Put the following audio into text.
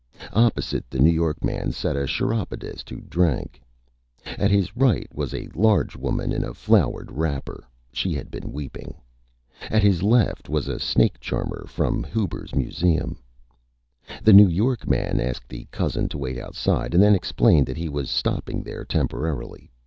Opposite the New York Man sat a Chiropodist who drank. At his right was a Large Woman in a Flowered Wrapper she had been Weeping. At his left was a Snake Charmer from Huber's Museum. The New York Man asked the Cousin to wait Outside, and then explained that he was stopping there Temporarily.